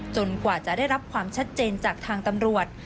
กว่าจะได้รับความชัดเจนจากทางตำรวจ